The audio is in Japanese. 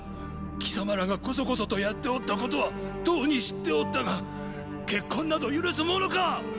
貴様らがコソコソとやっておったことはとうに知っておったが結婚など許すものか！